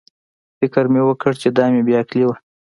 فکر مې وکړ چې دا مې بې عقلي وه.